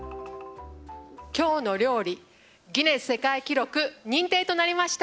きょうの料理、ギネス世界記録認定となりました。